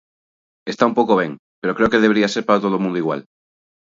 Está un pouco ben, pero creo que debería ser para todo o mundo igual.